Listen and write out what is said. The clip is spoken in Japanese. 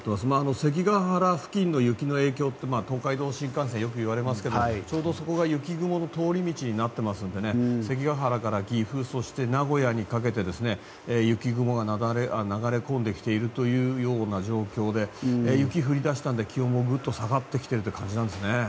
関ケ原付近の雪の影響って東海道新幹線はよく言われますがちょうどそこが雪雲の通り道になっていますので関ケ原から岐阜そして名古屋にかけて雪雲が流れ込んできているというような状況で雪が降り出したので気温もグッと下がってきている感じですね。